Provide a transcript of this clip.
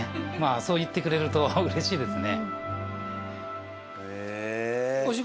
そう言ってくれるとうれしいですね。